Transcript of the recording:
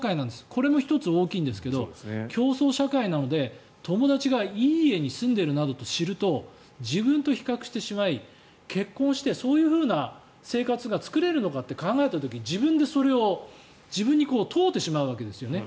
これも１つ大きいんですけど競争社会なので、友達がいい家に住んでいるなどと知ると自分と比較してしまい結婚してそういうふうな生活が作れるのかって考えた時それを自分に問うてしまうわけですね。